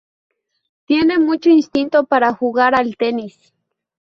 Tiene mucho instinto para jugar al tenis.